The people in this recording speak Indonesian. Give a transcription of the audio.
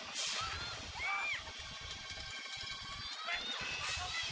kenapa ini berangkat smiling